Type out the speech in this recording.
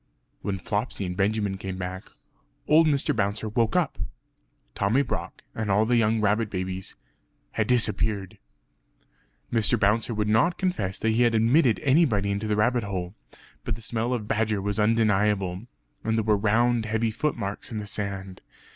When Flopsy and Benjamin came back old Mr. Bouncer woke up. Tommy Brock and all the young rabbit babies had disappeared! Mr. Bouncer would not confess that he had admitted anybody into the rabbit hole. But the smell of badger was undeniable; and there were round heavy footmarks in the sand.